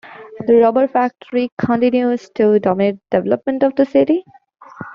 The rubber factory continues to dominate the development of the city.